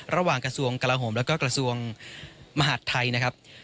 ระหว่างกระทรวงกลาโหมแล้วก็กระทรวงมหาดไทยนะครับ